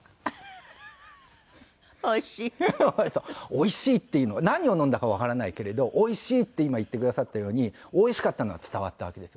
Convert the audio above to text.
「おいしい」っていうのは何を飲んだかわからないけれど「おいしい」って今言ってくださったようにおいしかったのは伝わったわけです。